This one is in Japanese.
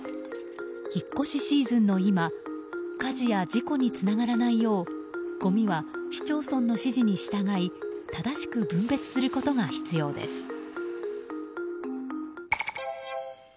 引っ越しシーズンの今火事や事故につながらないようごみは市町村の指示に従い正しく分別することが必要です。